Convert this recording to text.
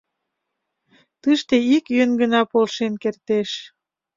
Тыште ик йӧн гына полшен кертеш».